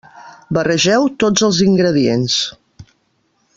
Barregeu tots els ingredients.